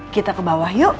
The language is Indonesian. kita ke bawah yuk